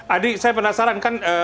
adi saya penasaran kan